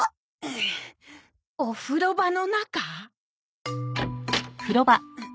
お風呂場の中？